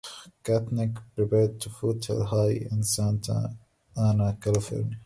Katnik prepped at Foothill High in Santa Ana, California.